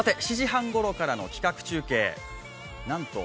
さて７時半ごろからの企画中継。